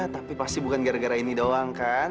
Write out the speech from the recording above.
tapi pasti bukan gara gara ini doang kan